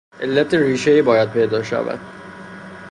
علت ریشه ای باید پیدا شود.